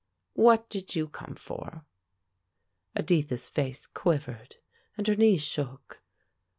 "What did you come for?" Editha's face quivered, and her knees shook.